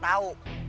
tapi itu bukan alasan